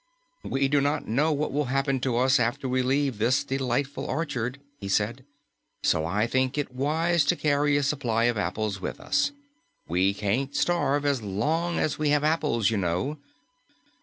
"We do not know what will happen to us after we leave this delightful orchard," he said, "so I think it wise to carry a supply of apples with us. We can't starve as long as we have apples, you know."